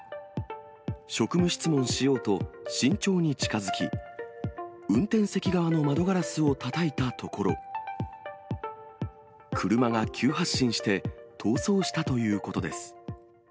職務質問しようと、慎重に近づき、運転席側の窓ガラスをたたいたところ、車が急発進して逃走したということです。